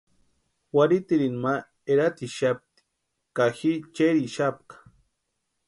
Warhiitirini ma eratixapti ka ji cherhixapka.